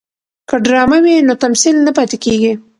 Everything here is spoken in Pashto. که ډرامه وي نو تمثیل نه پاتې کیږي.